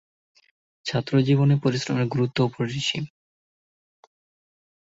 ছাত্রজীবনে পরিশ্রমের গুরুত্ব অপরিসীম।